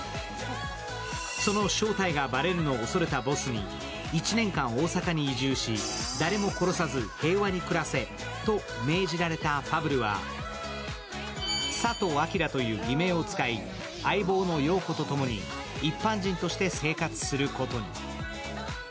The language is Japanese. その正体がばれるのを恐れたボスに１年間大阪に移住し、誰も殺さず平和に暮らせと命じられたファブルは佐藤明という偽名を使い、相棒の洋子とともに一般人として生活することに。